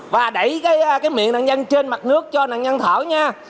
và đẩy cái miệng nạn nhân trên mặt nước cho nạn nhân thở nha